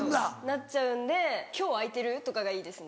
なっちゃうんで「今日空いてる？」とかがいいですね。